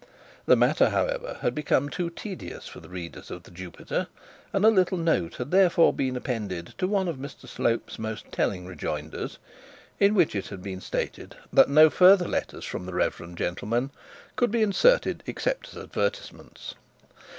The matter, however, had become too tedious for the readers of the Jupiter, and a little note had therefore been appended to one of Mr Slope's most telling rejoinders, in which it had been stated that no further letters from the reverend gentlemen could be inserted except as advertisements.